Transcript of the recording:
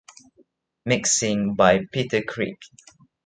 Mixing by Peter Kriek.